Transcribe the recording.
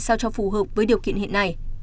sao cho phù hợp với điều kiện hiện nay